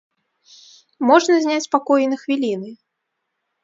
Можна зняць пакой і на хвіліны.